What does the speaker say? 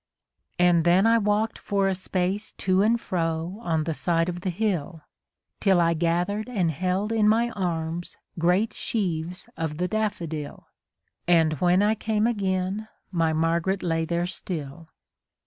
And then I walk'd for a space to and fro on the side of the hill, Till I gathered and held in my arms great sheaves of the daflFodil, And when I came again my Margaret lay there still.